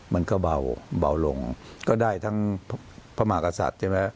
มันก็เบาลงก็ได้ทั้งพระมากษัตริย์ใช่ไหม